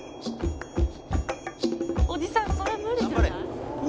「おじさんそれ無理じゃない？」